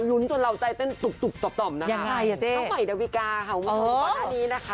ลุ้นจนเราใจเต้นตุบต่อนะคะน้องใหม่ดาวิกาค่ะวันนี้นะคะ